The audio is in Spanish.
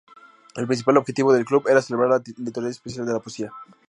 El principal objetivo del club era celebrar la literatura y especialmente la poesía.